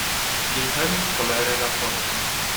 Li fermis kolere la pordon.